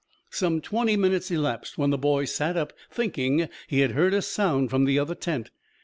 Some twenty minutes elapsed when the boy sat up, thinking he had heard a sound from the other tent.